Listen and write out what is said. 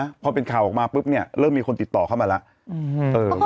อีกแล้วนะพอเป็นข่าวออกมาปุ๊บเนี่ยเริ่มมีคนติดต่อเข้ามาแล้ว